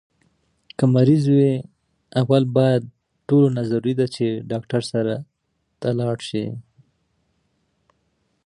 که ډاکټر یاست له ناروغ سره انصاف وکړئ.